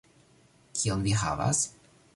Kion vi havas?